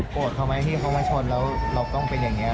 เขาไหมที่เขามาชนแล้วเราต้องเป็นอย่างนี้